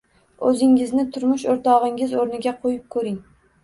O‘zingizni turmush o‘rtog‘ingiz o‘rniga qo‘yib ko‘ring.